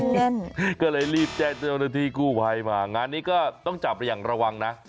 งั้นก็เลยรีบแจ้งเจ้าหน้าที่กู้ภัยมางานนี้ก็ต้องจับไปอย่างระวังนะ